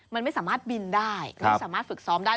มันไม่สามารถบินได้ไม่สามารถฝึกซ้อมได้